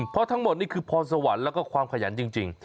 เพราะทั้งหมดนี่คือพรสวรรค์แล้วก็ความขยันจริง